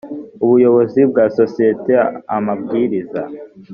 ubuyobozi bwa sosiyete amabwiriza